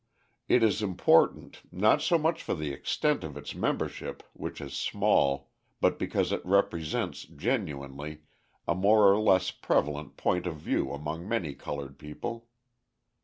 It is important, not so much for the extent of its membership, which is small, but because it represents, genuinely, a more or less prevalent point of view among many coloured people.